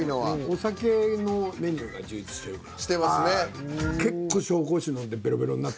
お酒のメニューが充実してるから。